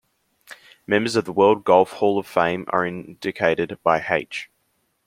Members of the World Golf Hall of Fame are indicated by H.